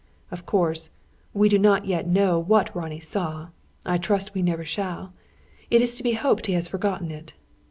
Of course, we do not yet know what Ronnie saw. I trust we never shall. It is to be hoped he has forgotten it.